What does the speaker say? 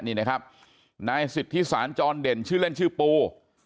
นี่นะครับนายสิทธิสารจรเด่นชื่อเล่นชื่อปู